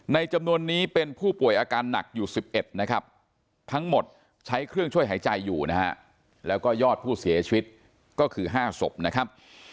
จำนวนนี้เป็นผู้ป่วยอาการหนักอยู่๑๑นะครับทั้งหมดใช้เครื่องช่วยหายใจอยู่นะฮะแล้วก็ยอดผู้เสียชีวิตก็คือ๕ศพนะครับ